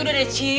oh udah deh ci